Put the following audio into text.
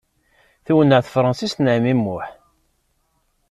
Twenneɛ tefransist n ɛemmi Muḥ.